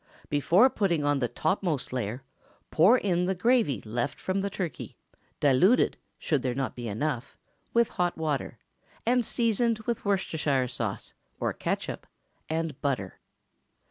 Before putting on the topmost layer, pour in the gravy left from the turkey, diluted—should there not be enough—with hot water, and seasoned with Worcestershire sauce, or catsup, and butter.